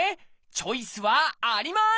チョイスはあります！